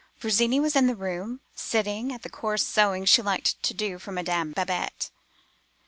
Virginie was in the room, sitting at the coarse sewing she liked to do for Madame Babette.